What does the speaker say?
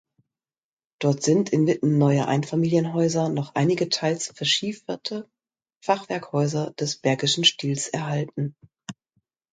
Dort sind inmitten neuerer Einfamilienhäuser noch einige teils verschieferte Fachwerkhäuser des Bergischen Stils erhalten.